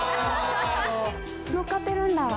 のっかってるんだ。